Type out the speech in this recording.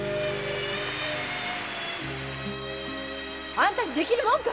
あんたに出来るもんか。